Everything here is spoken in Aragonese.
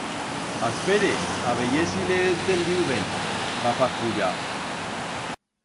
Aspere, a veyer si le he entendiu ben, va farfullar.